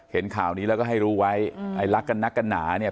เห็นข่าวนี้แล้วก็ให้รู้ไว้ไอ้รักกันนักกันหนาเนี่ย